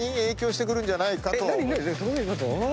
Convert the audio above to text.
どういうこと？